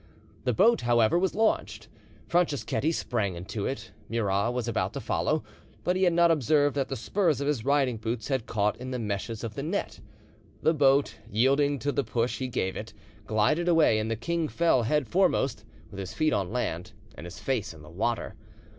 The boat, however, was launched. Franceschetti sprang into it, Murat was about to follow, but he had not observed that the spurs of his riding boots had caught in the meshes of the net. The boat, yielding to the push he gave it, glided away, and the king fell head foremost, with his feet on land and his face in the water.